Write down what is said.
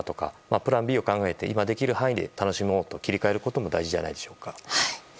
プランＢを考えて今できることを楽しもうと切り替えることも大事じゃないでしょうか。